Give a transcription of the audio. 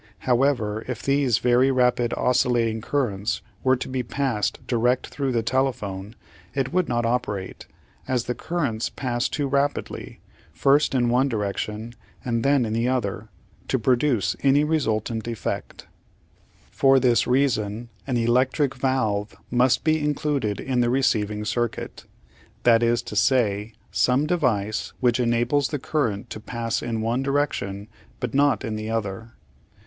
However, if these very rapidly oscillating currents were to be Applied Science 835 passed direct through the telephone it would not operate, as the currents pass too rapidly, first in one direction and then in the other, to produce any resultant effect. For this reason an electric valve must be included in the receiving circuit, that is to say, some device which enables the current to pass in one direction but not in the other.